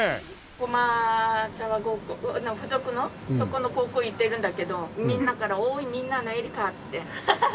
駒澤高校附属のそこの高校行ってるんだけどみんなから「おーい“みんなのエリカ”」って。ハハハハ。